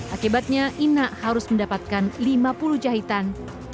akibatnya inak harus mendapatkan lima puluh jahitan